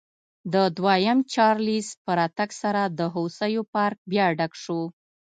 د دویم چارلېز په راتګ سره د هوسیو پارک بیا ډک شو.